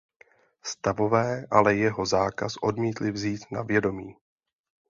Stavové ale jeho zákaz odmítli vzít na vědomí.